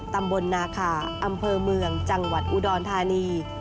ตำบลนาคาอำเภอเมืองจังหวัดอุดรธานี